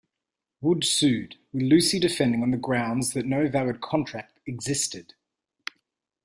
Wood sued, with Lucy defending on the grounds that no valid contract existed.